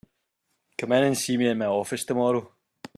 Come in and see me in my office tomorrow.